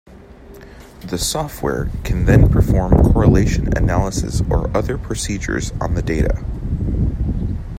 The software can then perform correlation analysis or other procedures on the data.